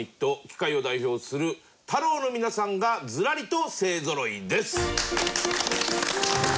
機械を代表する太郎の皆さんがずらりと勢ぞろいです！